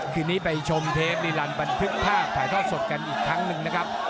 คืนนี้ไปชมเทปลีลันบันทึกภาพถ่ายทอดสดกันอีกครั้งหนึ่งนะครับ